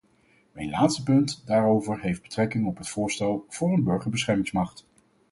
Mijn laatste punt daarover heeft betrekking op het voorstel voor een burgerbeschermingsmacht.